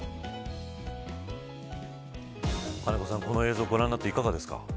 金子さん、この映像を見ていかがですか。